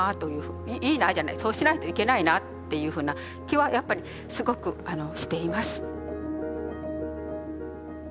いいなじゃないそうしないといけないなっていうふうな気はやっぱりすごくしています。